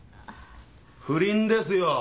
不倫ですよ！